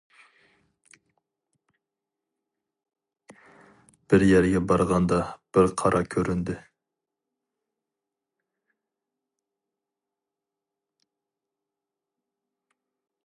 بىر يەرگە بارغاندا بىر قارا كۆرۈندى.